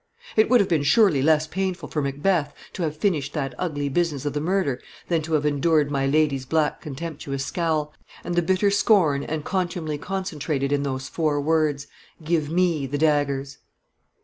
It would have been surely less painful for Macbeth to have finished that ugly business of the murder than to have endured my lady's black contemptuous scowl, and the bitter scorn and contumely concentrated in those four words, "Give me the daggers."